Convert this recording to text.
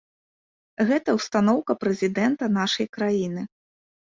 Гэта ўстаноўка прэзідэнта нашай краіны.